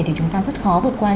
thì chúng ta rất khó vượt qua